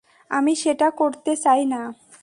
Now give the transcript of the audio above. আমি সেটা করতে চাই না।